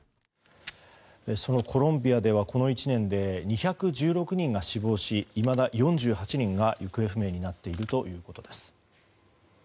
そのコロンビアではこの１年で２１６人が死亡しいまだ４８人が行方不明になっているということです。